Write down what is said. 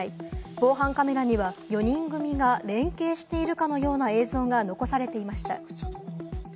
防犯カメラには４人組が連携しているかのような映像が残されていました。